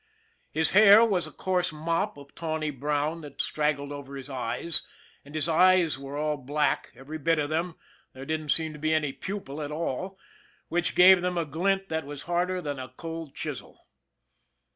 His hair was a coarse mop of tawny brown that straggled over his eyes; and his eyes were all black, every bit of them there didn't seem to be any pupil at all, which gave them a glint that was harder than a cold chisel.